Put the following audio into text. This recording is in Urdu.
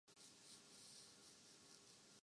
وہ سنگین الزامات کی گرفت میں ہیں۔